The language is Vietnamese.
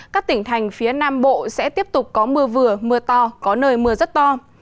các tỉnh thành phía nam bộ sẽ tiếp tục có mưa vừa mưa to có nơi mưa rất to